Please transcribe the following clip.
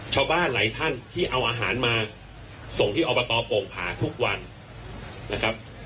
ชาวบ้านหลายท่านที่เอาอาหารมาส่งที่อบตโป่งผาทุกวันนะครับ